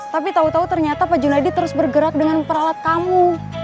tapi tau tau ternyata pak junaedi terus bergerak dengan peralat kamu